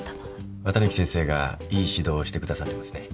綿貫先生がいい指導をしてくださってますね。